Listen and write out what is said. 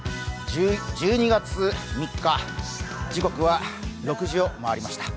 １２月３日、時刻は６時を回りました。